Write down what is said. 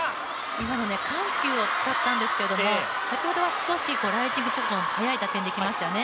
今の緩急を使ったんですけれども、先ほどは少しライジングの速い打点で来ましたよね。